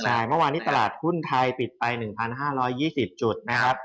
ใช่เมื่อวานนี้ตลาดหุ้นไทยปิดไป๑๕๒๐จุดนะครับ